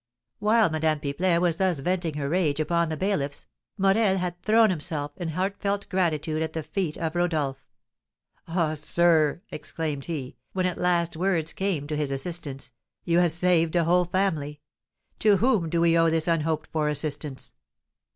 While Madame Pipelet was thus venting her rage upon the bailiffs, Morel had thrown himself, in heartfelt gratitude, at the feet of Rodolph. "Ah, sir," exclaimed he, when at last words came to his assistance, "you have saved a whole family! To whom do we owe this unhoped for assistance?"